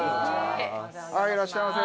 いらっしゃいませ。